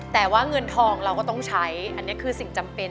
แต่ว่าเงินทองเราก็ต้องใช้อันนี้คือสิ่งจำเป็น